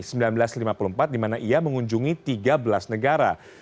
sang ratu menjadi raja inggris pertama yang mengunjungi tiga belas negara